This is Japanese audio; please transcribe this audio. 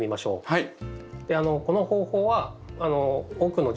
はい。